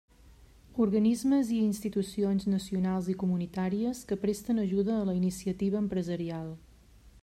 Organismes i institucions nacionals i comunitàries que presten ajuda a la iniciativa empresarial.